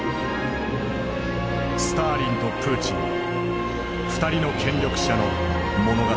スターリンとプーチン２人の権力者の物語である。